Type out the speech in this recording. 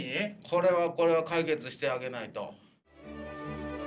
これはこれは解決してあげないと。